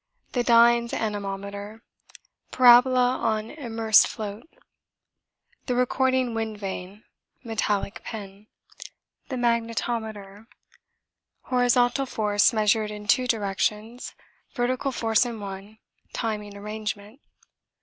The Dynes anemometer Parabola on immersed float. The recording wind vane Metallic pen. The magnetometer Horizontal force measured in two directions vertical force in one timing arrangement.